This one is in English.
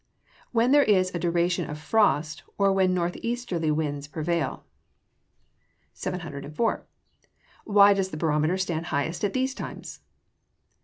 _ When there is a duration of frost, or when north easterly winds prevail. 704. _Why does the barometer stand highest at these times?